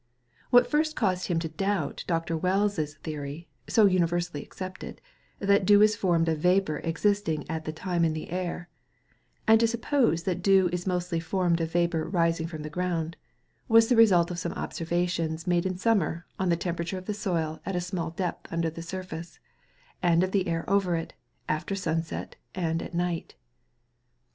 What first caused him to doubt Dr. Wells' theory, so universally accepted, that dew is formed of vapour existing at the time in the air, and to suppose that dew is mostly formed of vapour rising from the ground, was the result of some observations made in summer on the temperature of the soil at a small depth under the surface, and of the air over it, after sunset and at night.